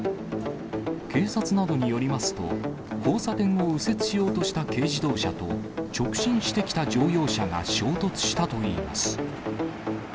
警察などによりますと、交差点を右折しようとした軽自動車と、直進してきた乗用車が衝突したといいます。